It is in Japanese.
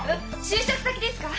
就職先ですか？